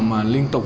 mà liên tục